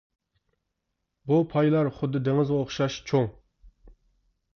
بۇ پايلار خۇددى دېڭىزغا ئوخشاش چوڭ.